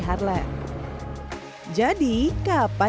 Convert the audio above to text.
harlem jadi kapan ini bisa terjadi